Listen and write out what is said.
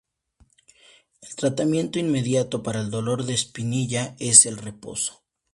El tratamiento inmediato para el dolor de espinilla es el reposo.